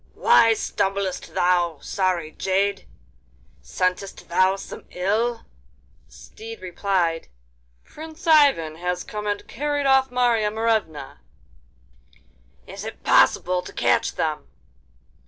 'Why stumblest thou, sorry jade? Scentest thou some ill?' The steed replied: 'Prince Ivan has come and carried off Marya Morevna.' 'Is it possible to catch them?